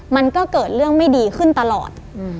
มันก็เกิดเรื่องไม่ดีขึ้นตลอด